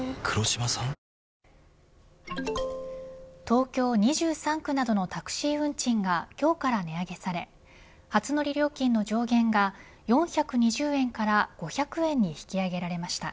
東京２３区などのタクシー運賃が今日から値上げされ初乗り料金の上限が４２０円から５００円に引き上げられました。